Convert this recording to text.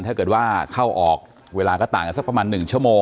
ถ้าเกิดว่าเข้าออกเวลาก็ต่างกันสักประมาณ๑ชั่วโมง